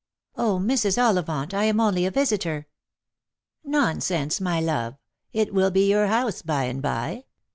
" 0, Mrs. Ollivant, I am only a visitor." " Nonsense, my love ; it will be your house by and by.